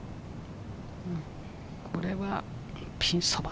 これはピンそば。